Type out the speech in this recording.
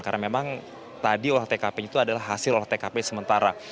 karena memang tadi olah tkp itu adalah hasil olah tkp sementara